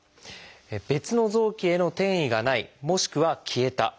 別の臓器への転移がないもしくは消えた。